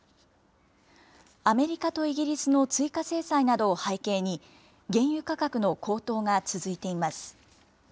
アメリカとイギリスの追加制裁などを背景に、原油価格の高騰が続いています。